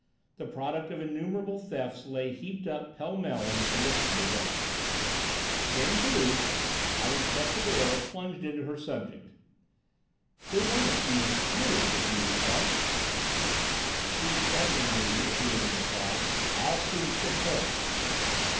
The product of innumerable thefts lay heaped up pell mell in this illicit bazaar. Dame Toulouche, having shut the door, plunged into her subject. "Big Ernestine is furious with you, Loupart." "If she's threatening me," the hooligan replied, "I'll soon fix her."